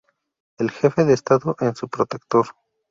El jefe de Estado es su protector.